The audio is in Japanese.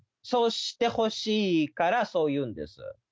そうしてほしいからそう言うんです。